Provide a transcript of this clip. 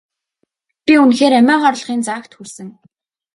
Би үнэхээр амиа хорлохын заагт хүрсэн.